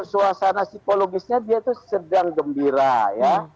suasana psikologisnya dia itu sedang gembira ya